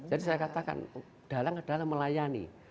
jadi saya katakan dalang adalah melayani